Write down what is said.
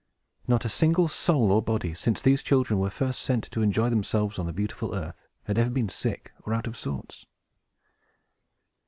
Not a single soul or body, since these children were first sent to enjoy themselves on the beautiful earth, had ever been sick or out of sorts.